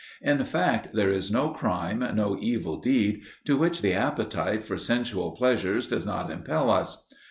In fact, there is no crime, no evil deed, to which the appetite for sensual pleasures does not impel us.